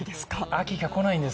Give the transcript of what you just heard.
秋が来ないんです。